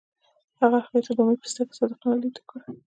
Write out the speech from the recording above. هغه هغې ته د امید سترګو کې صادقانه لید وکړ.